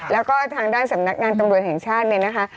แล้วก็ทางด้านสำนักงานตำรวจแห่งชาติเนี่ยนะคะ